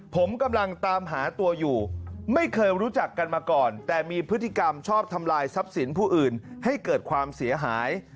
ผมกำลังตามหาตัวอยู่ไม่เคยรู้จักกันมาก่อนแต่มีพฤติกรรมชอบทำลายทรัพย์สินผู้อื่นให้เกิดความเสียหาย